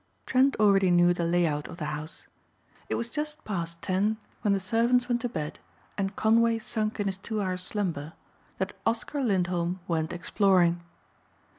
Trent already knew the lay out of the house. It was just past ten when the servants went to bed and Conway sunk in his two hours' slumber that Oscar Lindholm went exploring.